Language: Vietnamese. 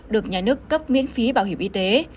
được nhà nước cấp miễn phí bảo hiểm y tế